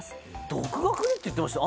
独学でって言ってました